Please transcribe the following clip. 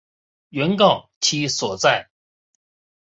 原告其所在！